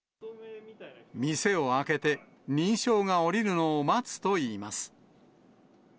店を開けて認証が下りるのを待つといいます。